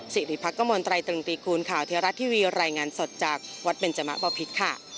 สิริพักกมลไตรตรึงตีคูณข่าวเทียรัตน์ทีวีรายงานสดจากวัดเบนเจมส์บ้อพิษ